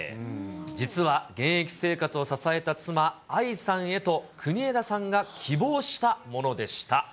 実は現役生活を支えた妻、愛さんへと国枝さんが希望したものでした。